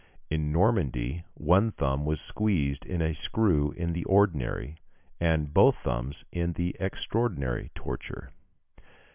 In Normandy, one thumb was squeezed in a screw in the ordinary, and both thumbs in the extraordinary torture.